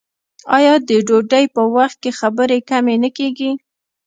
آیا د ډوډۍ په وخت کې خبرې کمې نه کیږي؟